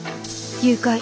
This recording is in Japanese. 「誘拐」。